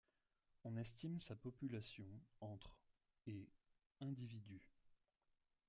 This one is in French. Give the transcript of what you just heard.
On estime sa population entre et individus.